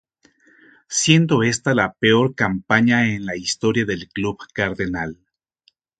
Siendo esta la peor campaña en la historia del club cardenal.